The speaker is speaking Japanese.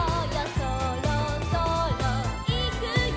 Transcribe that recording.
「そろそろいくよ」